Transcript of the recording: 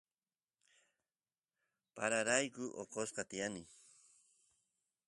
pararayku oqosqa tiyani